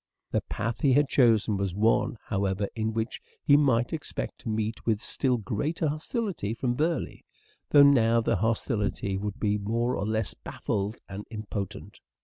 The path he had chosen was one, however, in which he might expect to meet with still greater hostility from Burleigh ; though now the hostility would be " SHAKESPEARE " IDENTIFIED Oxford more or less baffled and impotent.